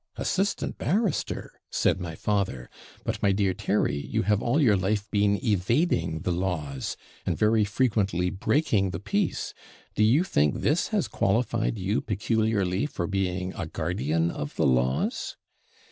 "Assistant barrister!" said my father; "but, my dear Terry, you have all your life been evading the laws, and very frequently breaking the peace; do you think this has qualified you peculiarly for being a guardian of the laws?"